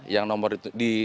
yang nomor itu